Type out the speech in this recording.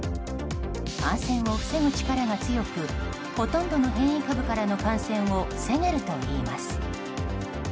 感染を防ぐ力が強くほとんどの変異株からの感染を防げるといいます。